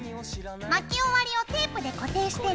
巻き終わりをテープで固定してね。